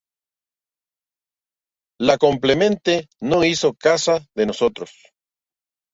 La completamente no hizo casa de nosotros.